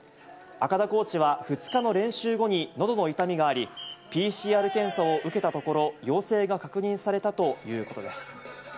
赤田コーチは２日の練習後にのどの痛みがあり、ＰＣＲ検査を受けたところ、陽性が確認されたということです。